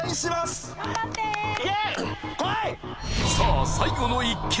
さあ最後の１球